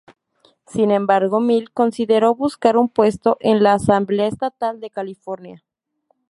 Sin embargo, Milk consideró buscar un puesto en la Asamblea Estatal de California.